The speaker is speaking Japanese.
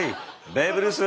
ベーブ・ルース！